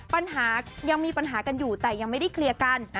ปัญหายังมีปัญหากันอยู่แต่ยังไม่ได้เคลียร์กัน